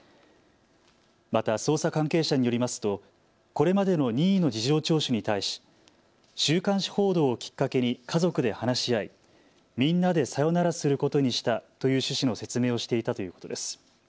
また捜査関係者によりますとこれまでの任意の事情聴取に対し週刊誌報道をきっかけに家族で話し合いみんなでさよならすることにしたという趣旨の説明をしていたということです。